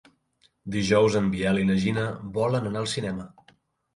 Dijous en Biel i na Gina volen anar al cinema.